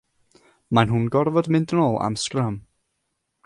Mae nhw'n gorfod mynd nôl am sgrym.